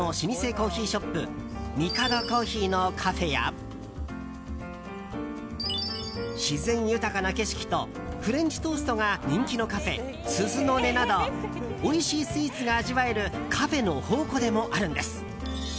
コーヒーショップミカド珈琲のカフェや自然豊かな景色とフレンチトーストが人気のカフェ涼の音などおいしいスイーツが味わえるカフェの宝庫でもあるんです。